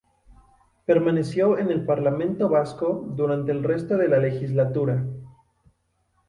Permaneció en el Parlamento Vasco durante el resto de la legislatura.